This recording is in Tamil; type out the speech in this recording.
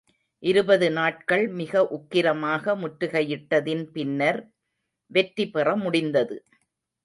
இருபது நாட்கள் மிக உக்கிரமாக முற்றுகையிட்டதின் பின்னர் வெற்றி பெற முடிந்தது.